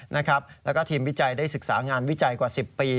แล้วก็ทีมวิจัยได้ศึกษางานวิจัยกว่า๑๐ปี